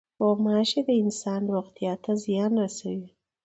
غوماشې د انسان روغتیا ته زیان رسوي.